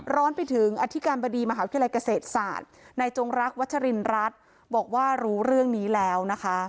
ร้อนไปถึงอธิการบดีมหาวิทยาลัยเกษตรศาสตร์ในจงรักวัชรินรัฐบอกว่ารู้เรื่องนี้แล้วนะคะ